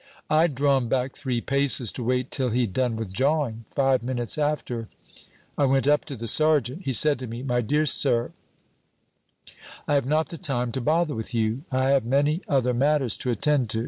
"I'd drawn back three paces to wait till he'd done with jawing. Five minutes after, I went up to the sergeant. He said to me, 'My dear sir, I have not the time to bother with you; I have many other matters to attend to.'